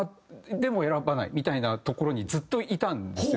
でも選ばないみたいなところにずっといたんですよ